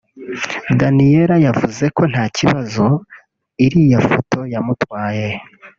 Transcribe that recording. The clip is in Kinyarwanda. Daniella yavuze ko nta kibazo iriya foto yamutwaye